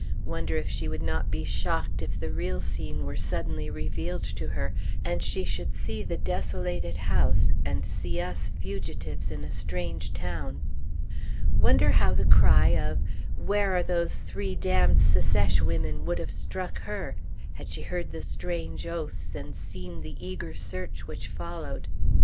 Wonder if she would not be shocked if the real scene were suddenly revealed to her, and she should see the desolated house and see us fugitives in a strange town. Wonder how the cry of "Where are those three damned Secesh women?" would have struck her, had she heard the strange oaths and seen the eager search which followed?